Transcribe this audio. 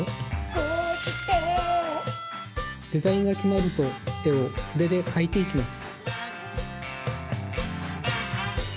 「こうして」デザインがきまると絵を筆で描いていきます。